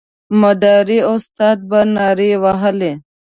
مداري استاد به نارې وهلې.